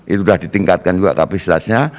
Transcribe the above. itu sudah ditingkatkan juga kapasitasnya